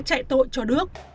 chạy tội cho nước